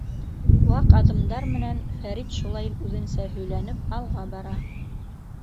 — Ваҡ аҙымдар менән Фәрит шулай үҙенсә һөйләнеп алға бара.